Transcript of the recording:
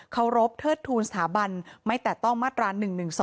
เคารพเทิดทูลสถาบันไม่แตะต้องมาตรา๑๑๒